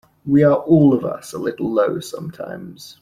We are all of us a little low sometimes.